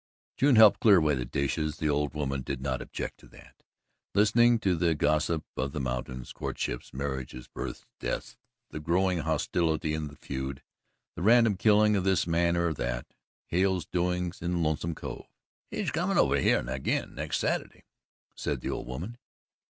June helped clear away the dishes the old woman did not object to that listening to the gossip of the mountains courtships, marriages, births, deaths, the growing hostility in the feud, the random killing of this man or that Hale's doings in Lonesome Cove. "He's comin' over hyeh agin next Saturday," said the old woman.